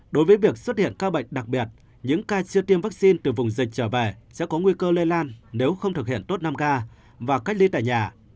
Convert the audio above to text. đối với việc xuất hiện ca bệnh đặc biệt những ca chưa tiêm vaccine từ vùng dịch trở về sẽ có nguy cơ lây lan nếu không thực hiện tốt năm ca và cách ly tại nhà